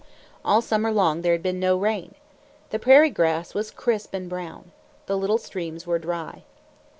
All summer long there had been no rain. The prairie grass was crisp and brown. The little streams were dry.